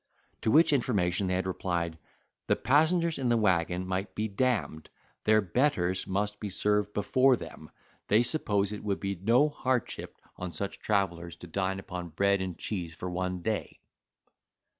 To which information they had replied, "the passengers in the waggon might be d—d, their betters must be served before them; they supposed it would be no hardship on such travellers to dine upon bread and cheese for one day."